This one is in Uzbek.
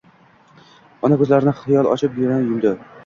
Ona ko‘zlarini xiyol ochib, yana yumdi